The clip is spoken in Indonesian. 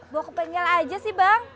bawa ke penjela aja sih bang